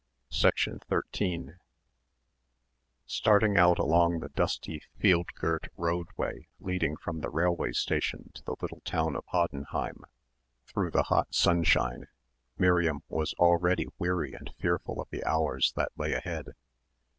13 Starting out along the dusty field girt roadway leading from the railway station to the little town of Hoddenheim through the hot sunshine, Miriam was already weary and fearful of the hours that lay ahead.